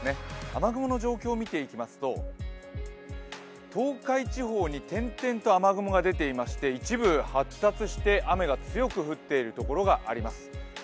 雨雲の状況を見ていきますと東海地方に点々と雨雲が出ていまして一部、発達して雨が強く降っている所があります。